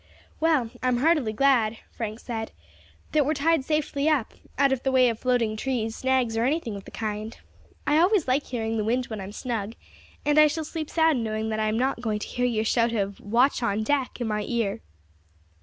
"Well, I am heartily glad," Frank said, "that we are tied safely up, out of the way of floating trees, snags, or anything of the kind. I always like hearing the wind when I am snug, and I shall sleep sound knowing that I am not going to hear your shout of 'Watch on deck' in my ear."